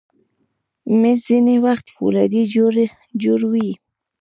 مېز ځینې وخت فولادي جوړ وي.